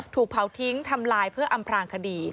ถูกเผาทิ้งทำลายเพื่ออำพลางคดี